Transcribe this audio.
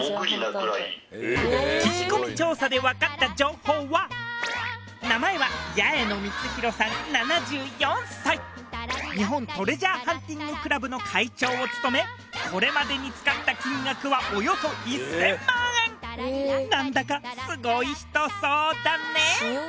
聞き込み調査で分かった情報は名前は八重野充弘さん７４歳日本トレジャーハンティング・クラブの会長を務めこれまでに使った金額はおよそ１０００万円なんだかすごい人そうだね